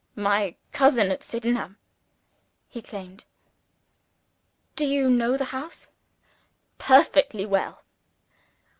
"My cousin at Sydenham!" he exclaimed. "Do you know the house?" "Perfectly well."